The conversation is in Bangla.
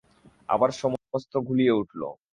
আবার সমস্ত ঘুলিয়ে উঠল।